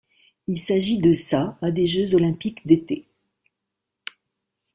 Il s'agit de sa à des Jeux olympiques d'été.